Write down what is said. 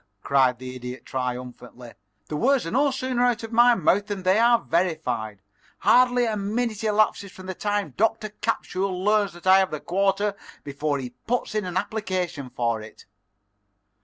cried the Idiot, triumphantly. "The words are no sooner out of my mouth than they are verified. Hardly a minute elapses from the time Doctor Capsule learns that I have that quarter before he puts in an application for it."